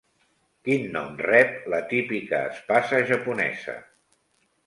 Quin nom rep la típica espasa japonesa?